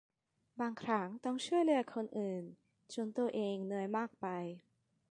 บางครั้งต้องช่วยเหลือคนอื่นจนตัวเองเหนื่อยมากไป